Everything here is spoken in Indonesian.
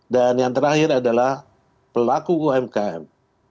dan yang terakhir adalah pelaku umkm